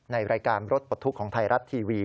ในรายการรถปลดทุกข์ของไทยรัฐทีวี